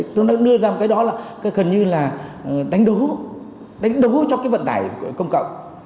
chúng ta đã đưa ra một cái đó là gần như là đánh đố đánh đố cho cái vận tải công cộng